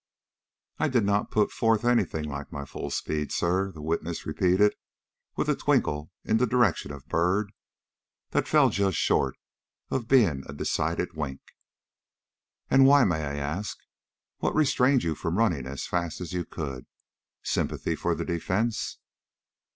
"I did not put forth any thing like my full speed, sir," the witness repeated, with a twinkle in the direction of Byrd that fell just short of being a decided wink. "And why, may I ask? What restrained you from running as fast as you could? Sympathy for the defence?"